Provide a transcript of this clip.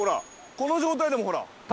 この状態でも、ほら。